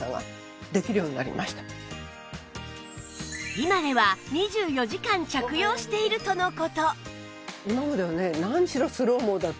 今では２４時間着用しているとの事